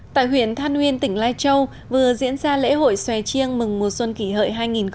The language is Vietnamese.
tại huyện than uyên tỉnh lai châu vừa diễn ra lễ hội xòe chiêng mừng mùa xuân kỷ hợi hai nghìn một mươi chín